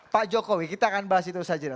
pak jokowi kita akan bahas itu saja